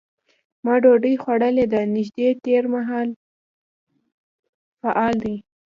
ما ډوډۍ خوړلې ده نږدې تېر مهال فعل دی.